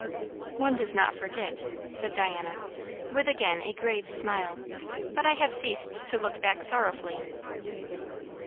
"One does not forget," said Diana, with again a grave smile. "But I have ceased to look back sorrowfully."